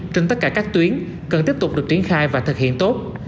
trên tất cả các tuyến cần tiếp tục được triển khai và thực hiện tốt